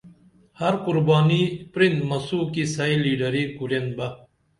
ہر قُربانی پرِن مسونہ کی سئی لیڈری کُرین بہ